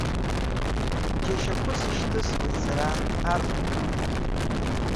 Џьашьахәыс ишьҭыхсуеит сара арҭқәа.